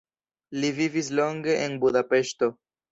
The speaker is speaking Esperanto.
Li vivis longe en Budapeŝto.